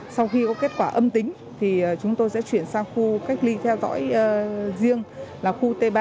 sau khi có kết quả âm tính thì chúng tôi sẽ chuyển sang khu cách ly theo dõi riêng là khu t ba